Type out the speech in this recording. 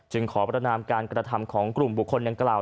จึงขอประนามการการธรรมของกลุ่มบุคคลยังกล่าว